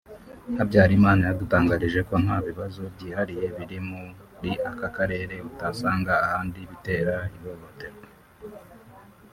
Habyarimana yadutangarije ko nta bibazo byihariye biri muri aka Karere utasanga ahandi bitera ihohoterwa